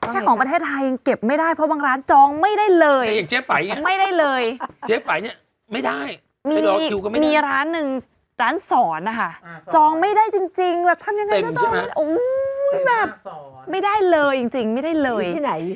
แค่ของประเทศไทยเก็บไม่ได้เพราะบางร้านจองไม่ได้เลย